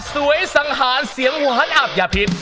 สวยสังหารเสียงหวานอาบยาพิพย์